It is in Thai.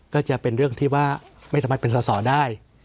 ก็จะเป็นเรื่องที่ว่าไม่สามารถเป็นสอสอได้